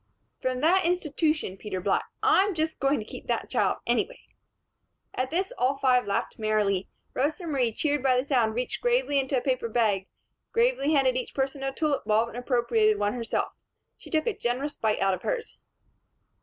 "From that institution. Peter Black! I'm just going to keep that child, anyway." At this, all five laughed merrily. Rosa Marie, cheered by the sound, reached gravely into a paper bag, gravely handed each person a tulip bulb and appropriated one herself. She took a generous bite out of hers.